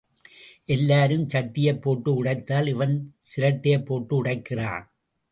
எல்லாரும் சட்டியைப் போட்டு உடைத்தால் இவன் சிரட்டையைப் போட்டு உடைக்கிறான்.